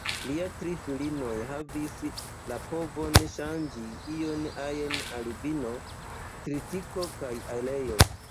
Lia tri filinoj havis la povon ŝanĝi ion-ajn al vino, tritiko kaj oleo.